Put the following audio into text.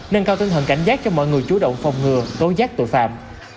nâng cao tinh thần cảnh giác cho mọi người chú động phòng ngừa tố giác tội phạm